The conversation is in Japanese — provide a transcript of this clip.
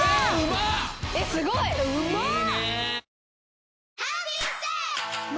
えっすごいうまい！